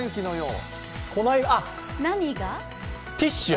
あっ、ティッシュ！